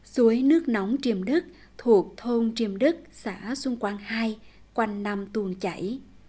suối nước nóng triêm đức thuộc thôn triêm đức xã xuân quang hai quanh năm tuần chảy